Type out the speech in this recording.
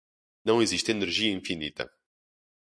Não existe energia infinita.